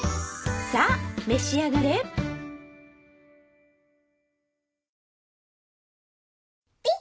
さあ召し上がれピ！